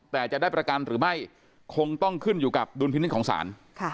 แต่จะได้ประกันหรือไม่คงต้องขึ้นอยู่กับดุลพินิษฐ์ของศาล